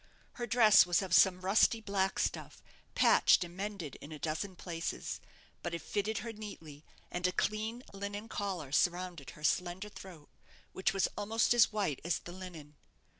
Her dress was of some rusty black stuff, patched and mended in a dozen places; but it fitted her neatly, and a clean linen collar surrounded her slender throat, which was almost as white as the linen.